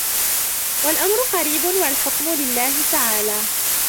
وَالْأَمْرُ قَرِيبٌ وَالْحُكْمُ لِلَّهِ تَعَالَى